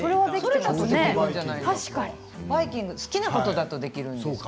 バイキングとか好きなことだとできるんですね。